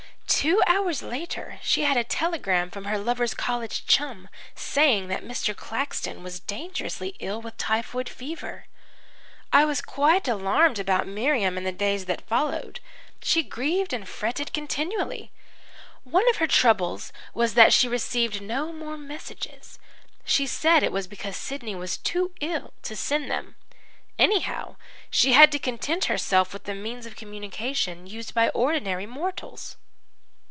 Two hours later she had a telegram from her lover's college chum, saying that Mr. Claxton was dangerously ill with typhoid fever. "I was quite alarmed about Miriam in the days that followed. She grieved and fretted continually. One of her troubles was that she received no more messages; she said it was because Sidney was too ill to send them. Anyhow, she had to content herself with the means of communication used by ordinary mortals.